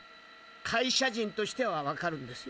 会社人としてはわかるんです。